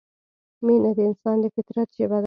مینه د انسان د فطرت ژبه ده.